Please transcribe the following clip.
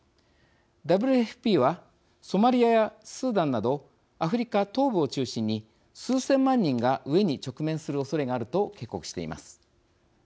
ＷＦＰはソマリアやスーダンなどアフリカ東部を中心に数千万人が飢えに直面するおそれがあると警告しています。